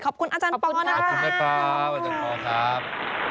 ขอบคุณอาจารย์พอนะครับอาจารย์พอครับขอบคุณครับขอบคุณครับ